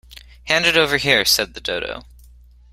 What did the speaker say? ‘Hand it over here,’ said the Dodo.